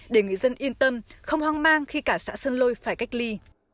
để người dân yên tâm không hoang mang khi cả xã sơn lôi phải cách ly